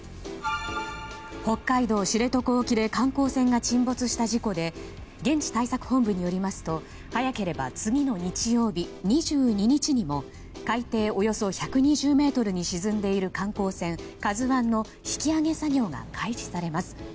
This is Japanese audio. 北海道知床沖で観光船が沈没した事故で現地対策本部によりますと早ければ次の日曜日２２日にも海底およそ１２０ｍ沈んでいる観光船「ＫＡＺＵ１」の引き揚げ作業が開始されます。